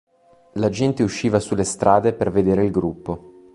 La gente usciva sulle strade per vedere il gruppo.